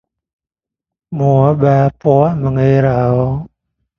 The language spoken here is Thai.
รู้ไหมว่าเราควรเลือกกินกุ้ง หอย ปู ปลา ขนาดเท่าใด